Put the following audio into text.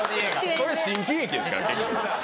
それ新喜劇ですから。